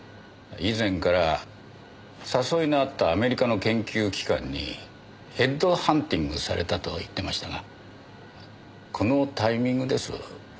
以前から誘いのあったアメリカの研究機関にヘッドハンティングされたと言ってましたがこのタイミングです。